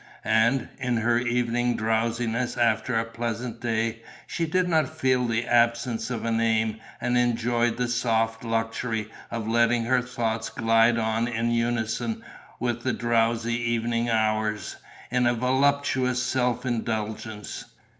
And, in her evening drowsiness after a pleasant day, she did not feel the absence of an aim and enjoyed the soft luxury of letting her thoughts glide on in unison with the drowsy evening hours, in a voluptuous self indulgence.